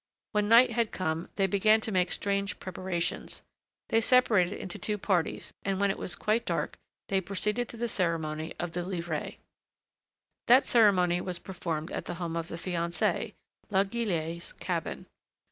When night had come, they began to make strange preparations: they separated into two parties, and when it was quite dark, they proceeded to the ceremony of the livrées. That ceremony was performed at the home of the fiancée, La Guillette's cabin.